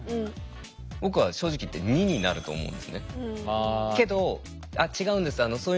僕は正直言って２になると思うんですね。